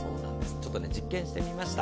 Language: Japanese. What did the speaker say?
ちょっと実験してみました。